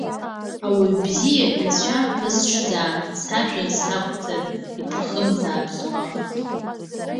Ауаҩ бзиа ицәа ԥысҽзаап, сажәа сақәӡыр иҭахымзаап сгәахәт.